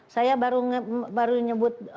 saya baru menyebut